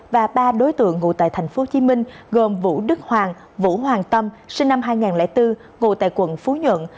và ba đối tượng ngụ tại tp hcm gồm vũ đức hoàng vũ hoàng tâm sinh năm hai nghìn bốn ngụ tại quận phú nhuận